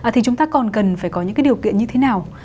thì chúng ta còn cần phải có những cái điều kiện như thế nào